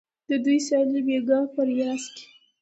د دوی سیالي بیګا په ریاض کې